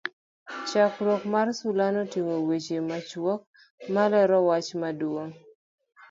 chakruok mar sulano otingo weche machuok ma lero wach maduong'